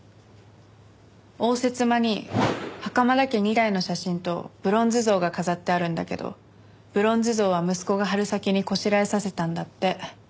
応接間に袴田家２代の写真とブロンズ像が飾ってあるんだけどブロンズ像は息子が春先にこしらえさせたんだって。